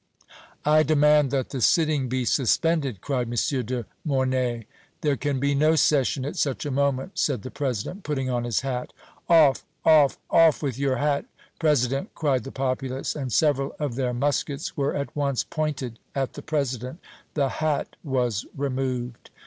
"I demand that the sitting be suspended!" cried M. de Mornay. "There can be no session at such a moment," said the President, putting on his hat. "Off off off with your hat, President!" cried the populace; and several of their muskets were at once pointed at the President. The hat was removed.